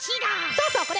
そうそうこれ！